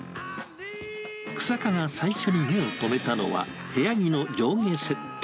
日下が最初に目を止めたのが、部屋着の上下セット。